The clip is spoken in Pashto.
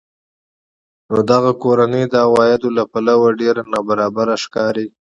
نو دغه کورنۍ د عوایدو له پلوه ډېره نابرابره ښکاري